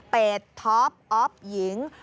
เป็ดทอปอ๊อปหญิง